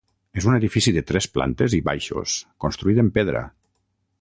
És un edifici de tres plantes i baixos, construït en pedra.